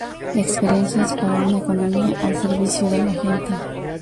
Experiencias para una economía al servicio de la gente